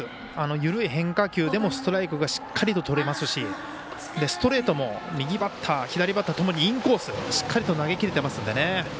緩い変化球でも、ストライクがしっかりと、とれますしストレートも右バッター、左バッターともにインコース、しっかりと投げきれてますんでね。